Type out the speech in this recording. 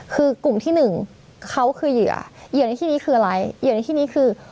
คือกลุ่มที่หนึ่งเขาคือเหยื่อเหยื่อในที่นี้คืออะไรเหยื่อในที่นี้คือ